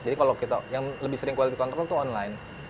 jadi kalau kita yang lebih sering quality control tuh online